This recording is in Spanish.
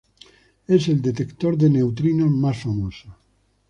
Es el detector de neutrinos más famoso.